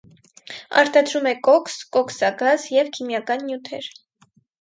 Արտադրում է կոքս, կոքսագազ և քիմիական նյութեր։